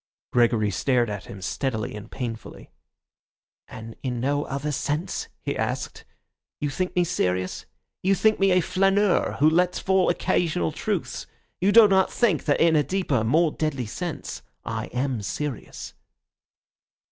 Gregory stared at him steadily and painfully. "And in no other sense," he asked, "you think me serious? You think me a flâneur who lets fall occasional truths. You do not think that in a deeper, a more deadly sense, I am serious."